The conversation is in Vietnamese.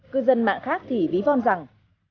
cư dân mạng khác thì bí von rằng